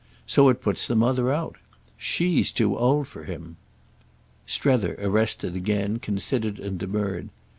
So it puts the mother out. She's too old for him." Strether, arrested again, considered and demurred.